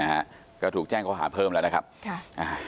นะฮะก็ถูกแจ้งข้อหาเพิ่มแล้วนะครับค่ะอ่า